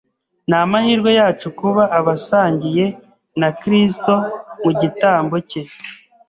Ni amahirwe yacu kuba abasangiye na Kristo mu gitambo cye.